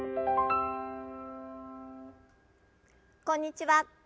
こんにちは。